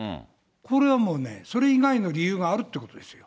これはもうね、それ以外の理由があるってことですよ。